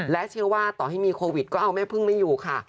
และเชื่อว่าต่อให้มีโควิดก็เอาแม่พึ่งไม่อยู่ค่ะ